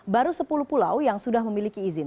baru sepuluh pulau yang sudah memiliki izin